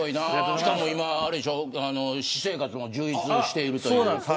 しかも、今あれでしょ私生活も充実しているという。